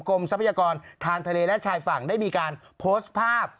ทรัพยากรทางทะเลและชายฝั่งได้มีการโพสต์ภาพ